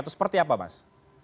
atau seperti apa mas